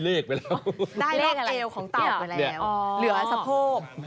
เหลือสะโพก